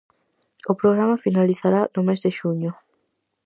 O programa finalizará no mes de xuño.